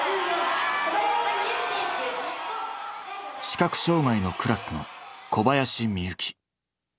視覚障がいのクラスの小林深雪。